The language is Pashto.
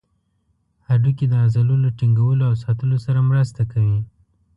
هډوکي د عضلو له ټینګولو او ساتلو سره مرسته کوي.